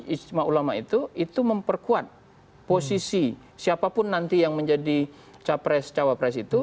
ijtima ulama itu itu memperkuat posisi siapapun nanti yang menjadi capres cawapres itu